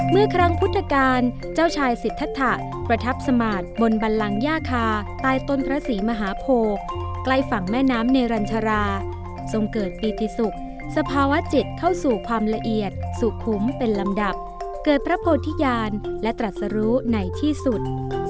เมื่อครั้งพุทธกาลเจ้าชายสิทธะประทับสมาธิบนบันลังย่าคาใต้ต้นพระศรีมหาโพใกล้ฝั่งแม่น้ำเนรัญชาราทรงเกิดปีติสุขสภาวะจิตเข้าสู่ความละเอียดสุขุมเป็นลำดับเกิดพระโพธิญาณและตรัสรู้ในที่สุด